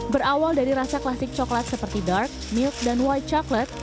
berawal dari rasa klasik coklat seperti dark milk dan white coklat